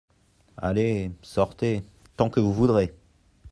Allez… sortez… tant que vous voudrez !…